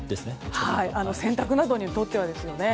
洗濯などにとってはですね。